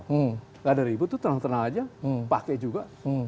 tidak ada ribut itu tenang tenang aja pakai juga